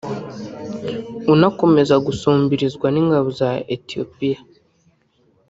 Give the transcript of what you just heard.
unakomeza gusumbirizwa n’ingabo za Ethiopia